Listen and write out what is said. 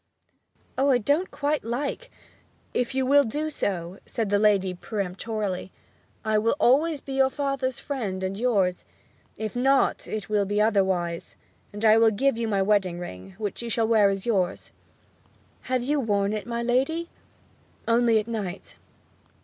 'Oh I don't quite like ' 'If you will do so,' said the lady peremptorily, 'I will always be your father's friend and yours; if not, it will be otherwise. And I will give you my wedding ring, which you shall wear as yours.' 'Have you worn it, my lady?' 'Only at night.'